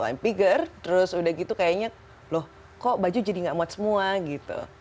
i'm bigger terus udah gitu kayaknya loh kok baju jadi nggak muat semua gitu